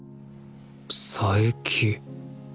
佐伯